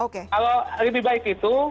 kalau lebih baik itu